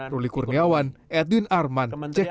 ruli kurniawan edwin arman jakarta